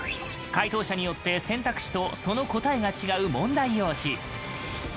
解答者によって選択肢とその答えが違う問題用紙。